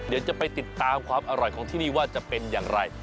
เดี๋ยวจะไปติดตามความอร่อยของที่นี่ว่าจะเป็นอย่างไร